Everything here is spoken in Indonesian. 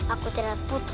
aku tidak butuh